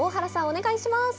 お願いします！